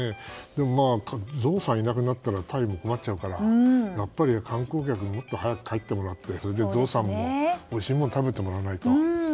でもゾウさんがいなくなったらタイも困っちゃうからやっぱり観光客にもっと早く入ってもらってゾウさんにもおいしいもの